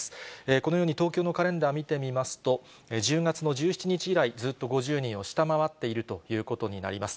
このように、東京のカレンダー見てみますと、１０月の１７日以来、ずっと５０人を下回っているということになります。